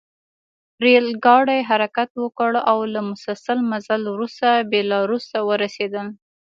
ریل ګاډي حرکت وکړ او له مسلسل مزل وروسته بیلاروس ته ورسېدل